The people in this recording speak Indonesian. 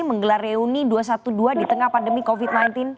menggelar reuni dua ratus dua belas di tengah pandemi covid sembilan belas